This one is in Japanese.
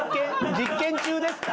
実験中ですか？